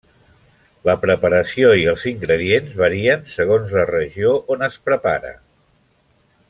La preparació i els ingredients varien segons la regió on es prepare.